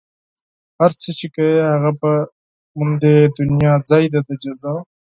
هر چې کا هغه به مومي دنيا ځای دئ د جزا